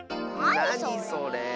なにそれ。